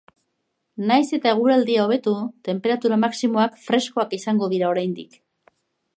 Nahiz eta eguraldia hobetu, tenperatura maximoak freskoak izango dira oraindik.